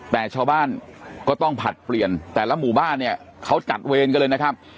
แต่ชาวบ้านก็ต้องผลัดเปลี่ยนแต่ละหมู่บ้านเนี่ยเขาจัดเวรกันเลยนะครับ